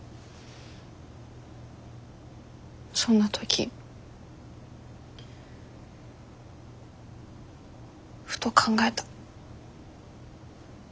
そんな時ふと考えた。